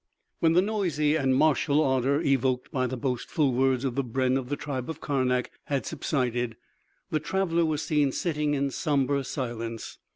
When the noisy and martial ardor, evoked by the boastful words of the brenn of the tribe of Karnak had subsided, the traveler was seen sitting in somber silence.